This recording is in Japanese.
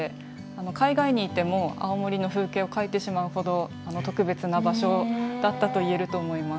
海外に行っても青森の風景を描いてしまうほど特別な場所だったと言えると思います。